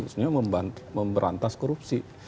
itu sebenarnya memberantas korupsi